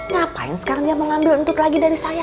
ngapain sekarang dia mau ngambil entut lagi dari saya